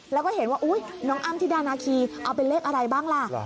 แล้วก็เห็นว่าอุ๊ยน้องอ้ำธิดานาคีเอาเป็นเลขอะไรบ้างล่ะ